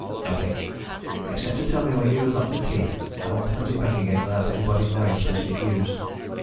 "Nothing, except to tell me where you got the key. I want to put it back again without anybody knowing it has been used."